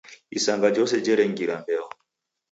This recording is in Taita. Isanga jose jerengira mbeo.